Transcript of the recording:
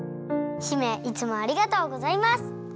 姫いつもありがとうございます！